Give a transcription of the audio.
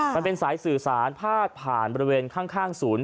มันเป็นสายสื่อสารพาดผ่านบริเวณข้างศูนย์